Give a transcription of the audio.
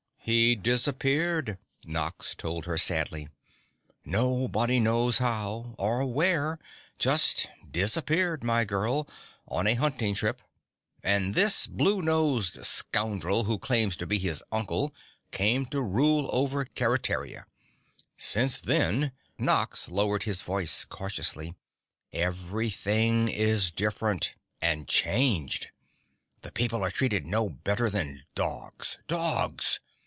"He disappeared," Nox told her sadly. "Nobody knows how or where, just disappeared, my girl, on a hunting trip, and this blue nosed scoundrel who claims to be his uncle, came to rule over Keretaria. Since then," Nox lowered his voice cautiously, "everything is different and changed. The people are treated no better than dogs. DOGS!"